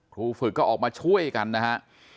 ครูฝึกก็ออกมาช่วยกันนะฮะ